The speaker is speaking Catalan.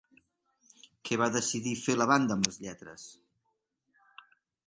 Què va decidir fer la banda amb les lletres?